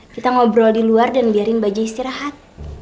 kita ngobrol di luar dan biarin baju istirahat